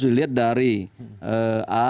dilihat dari a